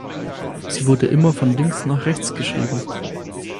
Sie wurde immer von links nach rechts geschrieben.